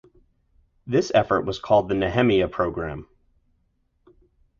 This effort was called the Nehemiah Program.